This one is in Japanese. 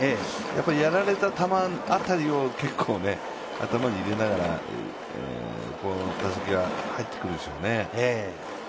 やられた球辺りを結構頭に入れながら、この打席は入ってくるでしょうね。